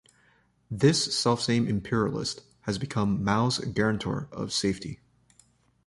This selfsame imperialist has become Mao's guarantor of safety.